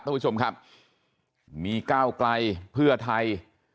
ท่านผู้ชมครับมีก้าวไกลเพื่อไทย